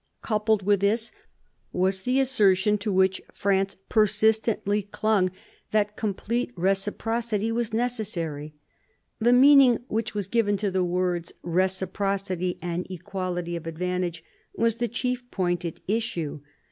Coupled with this was the assertion to which France persistently clung, that complete reciprocity was neces sary. The meaning which was given to the words " reciprocity and equality of advantage " was the chief point at issue.